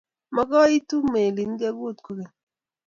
makoitu melit ngekut kokeny